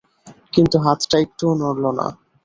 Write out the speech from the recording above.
কিন্তু হাতটা একটুও নড়ল না।